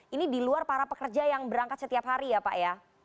ini di luar para pekerja yang berangkat setiap hari ya pak ya